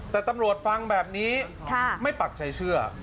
แต่ตำรวจฟังแบบนี้ไม่ปักใจเชื่อ